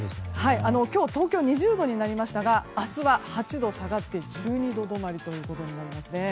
今日、東京２０度になりましたが明日は８度下がって１２度止まりとなりますね。